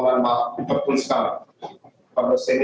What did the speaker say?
silahkan foiem baca disini